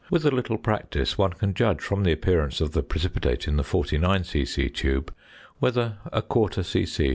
With a little practice, one can judge from the appearance of the precipitate in the 49 c.c. tube, whether 1/4 c.c.